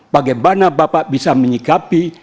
bagaimana bapak bisa menyikapi